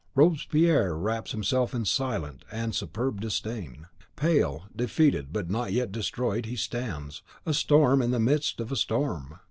Robespierre wraps himself in silent and superb disdain. Pale, defeated, but not yet destroyed, he stands, a storm in the midst of storm!